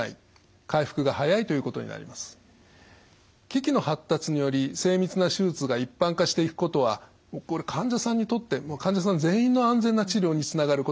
機器の発達により精密な手術が一般化していくことは患者さんにとって患者さん全員の安全な治療につながることと思います。